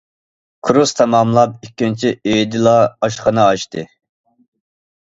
كۇرس تاماملاپ ئىككىنچى ئېيىدىلا ئاشخانا ئاچتى.